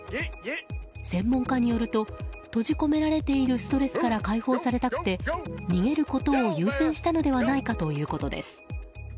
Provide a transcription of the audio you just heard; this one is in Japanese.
専門家によると閉じ込められているストレスから解放されたくて、逃げることを優先したのではないかということです。